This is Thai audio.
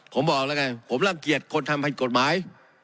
ผมบอกนะไงผมต้องเกียรติคนทำให้กฏหมาย